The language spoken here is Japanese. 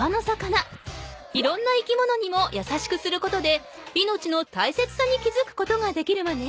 いろんな生き物にもやさしくすることで命の大切さに気づくことができるわね。